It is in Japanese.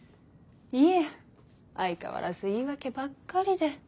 いえ相変わらず言い訳ばっかりで。